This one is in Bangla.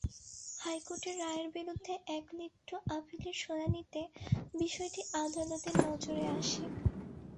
হাইকোর্টের রায়ের বিরুদ্ধে এক লিভ টু আপিলের শুনানিতে বিষয়টি আদালতের নজরে আসে।